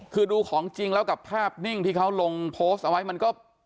คือดูของจริงแล้วกับภาพนิ่งที่เขาลงโพสต์เอาไว้มันก็